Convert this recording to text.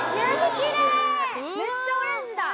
めっちゃオレンジだ。